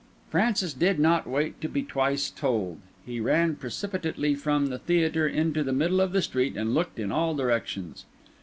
Francis did not wait to be twice told; he ran precipitately from the theatre into the middle of the street and looked in all directions.